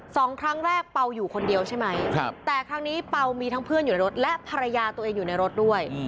สองครั้งแรกเปล่าอยู่คนเดียวใช่ไหมครับแต่ครั้งนี้เปล่ามีทั้งเพื่อนอยู่ในรถและภรรยาตัวเองอยู่ในรถด้วย